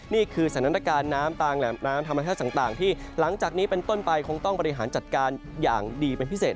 นี่คือสถานการณ์น้ำตามแหล่งน้ำธรรมชาติต่างที่หลังจากนี้เป็นต้นไปคงต้องบริหารจัดการอย่างดีเป็นพิเศษ